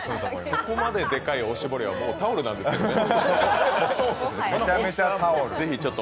そこまででかいおしぼりは、もうタオルなんですけどね。